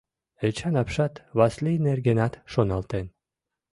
Эчан апшат Васлий нергенат шоналтен.